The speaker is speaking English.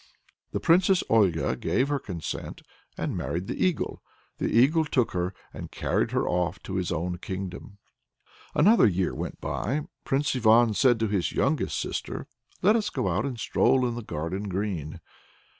The Princess Olga gave her consent and married the Eagle. The Eagle took her and carried her off to his own kingdom. Another year went by. Prince Ivan said to his youngest sister: "Let us go out and stroll in the garden green!"